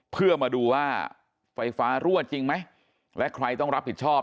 เพื่อมาดูว่าไฟฟ้ารั่วจริงไหมและใครต้องรับผิดชอบ